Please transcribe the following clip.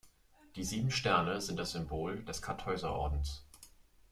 Die sieben Sterne sind das Symbol des Kartäuser-Ordens.